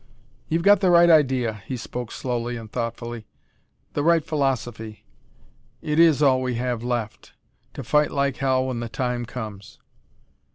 "You've got the right idea," he spoke slowly and thoughtfully "the right philosophy. It is all we have left to fight like hell when the time comes.